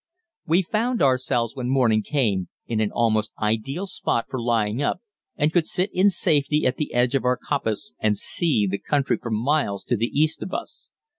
We found ourselves when morning came, in an almost ideal spot for "lying up," and could sit in safety at the edge of our coppice and see the country for miles to the east of us.